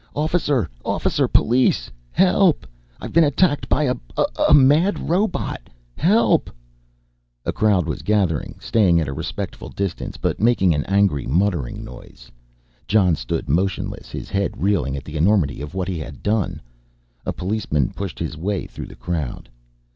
"Officer, officer, police ... HELP! I've been attacked a mad robot ... HELP!" A crowd was gathering staying at a respectful distance but making an angry muttering noise. Jon stood motionless, his head reeling at the enormity of what he had done. A policeman pushed his way through the crowd.